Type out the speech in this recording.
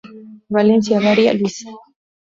Valencia Avaria, Luis.